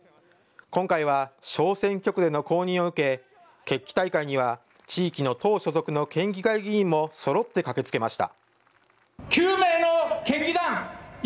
今回は小選挙区での公認を受け、決起大会には地域の党所属の県議会議員もそろって駆けつけました。